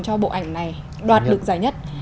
cho bộ ảnh này đoạt lực dài nhất